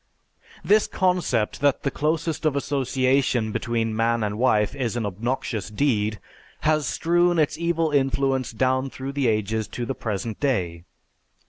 "_) This concept that the closest of association between man and wife is an obnoxious deed, has strewn its evil influence down through the ages to the present day.